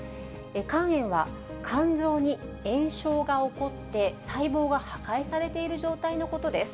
肝炎は肝臓に炎症が起こって、細胞が破壊されている状態のことです。